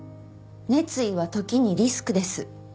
熱意は時にリスクです。